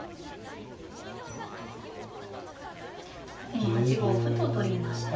今８五歩と取りましたね。